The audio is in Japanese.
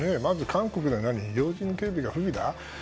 韓国では要人警備の不備だ？